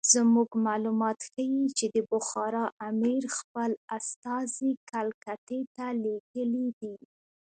زموږ معلومات ښیي چې د بخارا امیر خپل استازي کلکتې ته لېږلي دي.